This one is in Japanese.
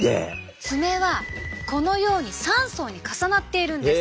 爪はこのように３層に重なっているんです。